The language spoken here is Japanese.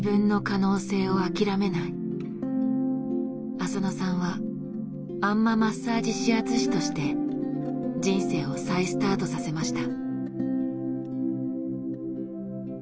浅野さんはあんまマッサージ指圧師として人生を再スタートさせました。